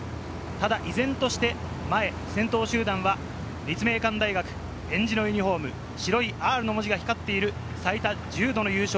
ただ、依然として前、先頭集団は立命館大学、えんじのユニホーム、白い「Ｒ」の文字が光っている、最多１０度の優勝。